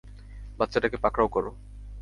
বাচ্চাটাকে পাকড়াও করো!